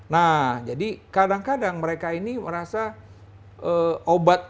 nah jadi kadang kadang mereka ini merasa obat ini bisa dalam tanam betul